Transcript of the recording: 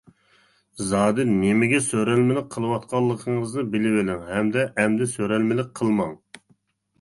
زادى نېمىگە سۆرەلمىلىك قىلىۋاتقانلىقىڭىزنى بىلىۋېلىڭ ھەمدە ئەمدى سۆرەلمىلىك قىلماڭ.